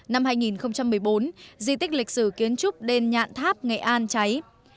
năm hai nghìn một mươi bốn di tích lịch sử kiến trúc đền tháp nghệ an cháy